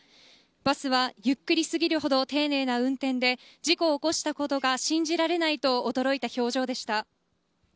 バスは、ゆっくりすぎるほど丁寧な運転で事故を起こしたことが信じられないと驚いた表情でした。